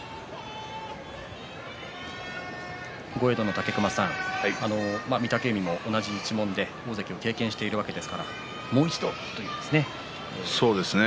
武隈さん、御嶽海も同じ一門で大関を経験しているわけですがもう一度といいますかね。